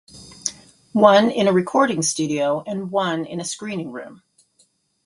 One in a recording studio and one in a screening room.